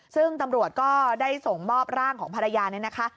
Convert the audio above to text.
ซึ่งตำรวจก็ได้ส่งมอบร่างของภรรยาเนี่ยนะคะ